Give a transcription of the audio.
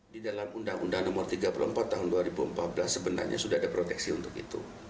di dalam undang undang nomor tiga puluh empat tahun dua ribu empat belas sebenarnya sudah ada proteksi untuk itu